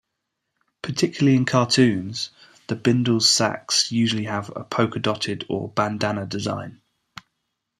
Particularly in cartoons, the bindles' sacks usually have a polka-dotted or bandanna design.